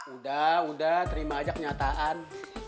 udah udah terima aja kenyataan